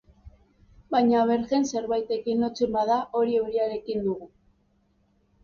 Baina Bergen zerbaitekin lotzen bada, hori euriarekin dugu.